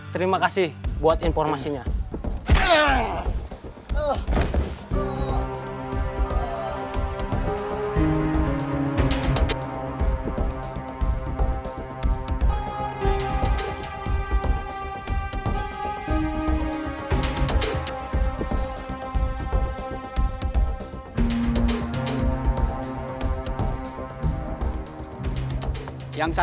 terima kasih buat informasinya